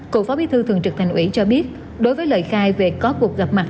cựu phó bí thư thường trực tp hcm cho biết đối với lời khai về có cuộc gặp mặt